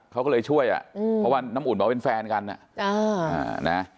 เขาก็เลยช่วยอ่ะอืมเพราะว่าน้ำอุ่นเหมาะเป็นแฟนกันอ่ะอ่า